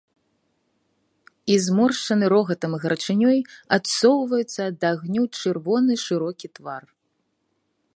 І, зморшчаны рогатам і гарачынёй, адсоўваецца ад агню чырвоны шырокі твар.